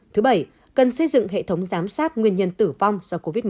thứ bảy cần xây dựng hệ thống giám sát nguyên nhân tử vong do covid một mươi chín